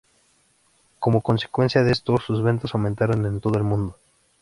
Como consecuencia de esto, sus ventas aumentaron en todo el mundo.